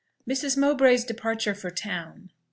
MRS. MOWBRAY'S DEPARTURE FOR TOWN.